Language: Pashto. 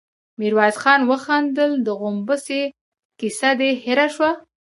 ميرويس خان وخندل: د غومبسې کيسه دې هېره شوه؟